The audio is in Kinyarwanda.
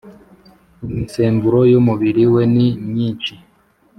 imisemburo y’umubiri we ni myinshi.